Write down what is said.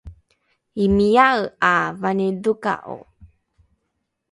imia’e ’a vanidhoka’o?